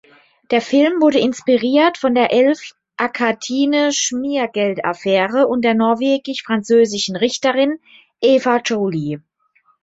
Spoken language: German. Der Film wurde inspiriert von der Elf-Aquitaine-Schmiergeldaffäre und der norwegisch-französischen Richterin Eva Joly.